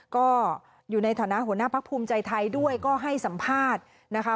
ก็อยู่ในฐานะหัวหน้าพักภูมิใจไทยด้วยก็ให้สัมภาษณ์นะคะ